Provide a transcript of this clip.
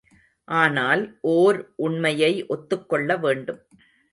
ஆனால் ஓர் உண்மையை ஒத்துக்கொள்ள வேண்டும்.